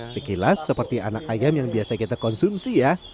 sekilas seperti anak ayam yang biasa kita konsumsi ya